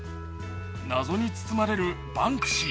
謎に包まれるバンクシー。